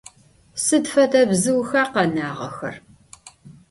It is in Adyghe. Sıd fede bzıuxa khenağexer?